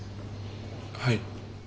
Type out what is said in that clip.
はい。